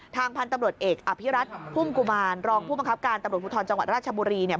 ทางพันธุ์ตำรวจเอกอภิรัตพุ่มกุมารรองผู้บังคับการตำรวจภูทรจังหวัดราชบุรีเนี่ย